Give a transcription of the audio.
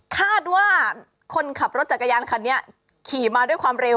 คาดว่าคนขับรถจักรยานคันนี้ขี่มาด้วยความเร็ว